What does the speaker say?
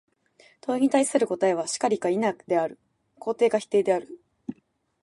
問に対する答は、「然り」か「否」である、肯定か否定である。